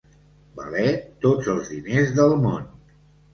Valer tots els diners del món.